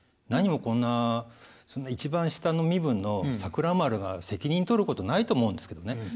なにもこんなそんな一番下の身分の桜丸が責任取ることないと思うんですけどね。